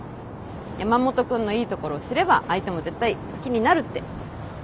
山本君のいいところ知れば相手も絶対好きになるって。